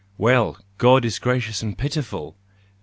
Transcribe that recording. Well, God is gracious and pitiful!"